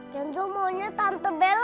kenzo maunya tante beli